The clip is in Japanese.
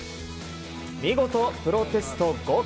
見事、プロテスト合格。